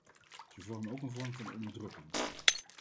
Ze vormen ook een vorm van onderdrukking.